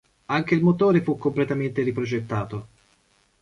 Anche il motore fu completamente riprogettato.